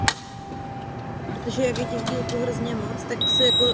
Okrajově do Slavkovského lesa zasahují Karlovy Vary svoji lázeňskou částí.